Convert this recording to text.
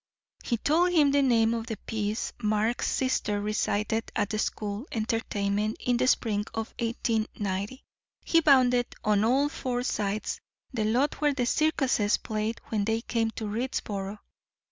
He told him the name of the piece Mark's sister recited at the school entertainment in the spring of 1890. He bounded on all four sides the lot where the circuses played when they came to Readsboro.